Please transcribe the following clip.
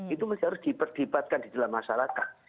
itu harus diperdebatkan di dalam masyarakat